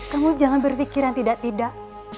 kamu jangan berpikiran tidak tidak